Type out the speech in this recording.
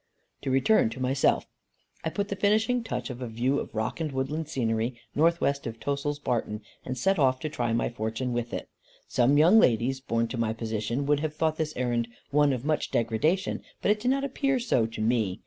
To return to myself. I put the finishing touch to a view of rock and woodland scenery, north west of Tossil's Barton, and set off to try my fortune with it. Some young ladies, born to my position, would have thought this errand one of much degradation, but it did not appear so to me.